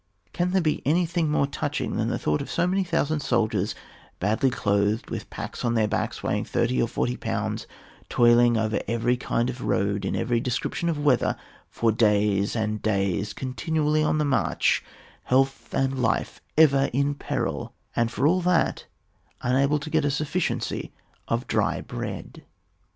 Can there be any thing more touching than the thought of so many thousand soldiers, badly clothed, with packs on their backs weighing thirty or forty pounds, toiling over every kind of road, in every description of weather, for days and days continually on the march, health and life for ever in peril, and for aU that unable to get a sufficiency of dry bread.